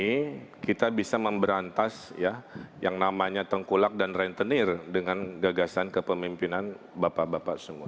ini kita bisa memberantas ya yang namanya tengkulak dan rentenir dengan gagasan kepemimpinan bapak bapak semua